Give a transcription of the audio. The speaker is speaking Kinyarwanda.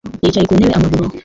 Yicaye ku ntebe amaguru.